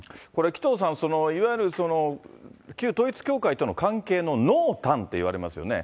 これ、紀藤さん、いわゆる旧統一教会との関係の濃淡っていわれますよね。